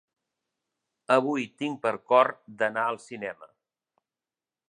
Avui tinc per cor d'anar al cinema.